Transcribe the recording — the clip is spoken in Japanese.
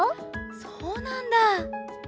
そうなんだ。